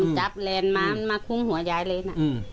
มันจับแลนด์มามาคุ้มหัวยายเลยน่ะ